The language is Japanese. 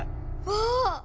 わあ！